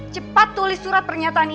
cepat tulis surat pernyataan